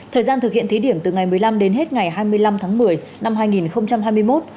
thời gian thực hiện thí điểm từ ngày một mươi năm đến hết ngày hai mươi năm tháng một mươi năm hai nghìn hai mươi một